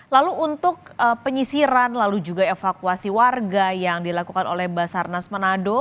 lalu untuk penyisiran lalu juga evakuasi warga yang dilakukan oleh basarnas manado